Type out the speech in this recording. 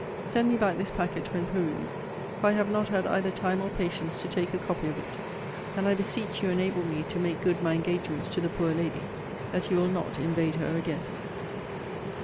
Send me back this packet when perused; for I have not had either time or patience to take a copy of it. And I beseech you enable me to make good my engagements to the poor lady that you will not invade her again.